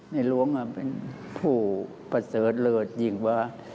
หลวงเป็นผู้ประเสริฐเลิศยิ่งว่า